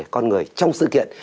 con người trong sự kiện